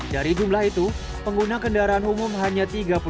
dari jumlah itu pengguna kendaraan umum hanya tiga puluh lima